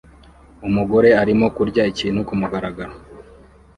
Umugore arimo kurya ikintu kumugaragaro